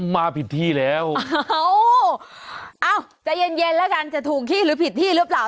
มาผิดที่แล้วเอ้าใจเย็นเย็นแล้วกันจะถูกที่หรือผิดที่หรือเปล่า